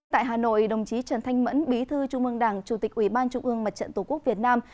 tại hà nội đồng chí trần thanh mẫn bí thư trung ương đảng chủ tịch ủy ban trung ương mặt trận tổ quốc việt nam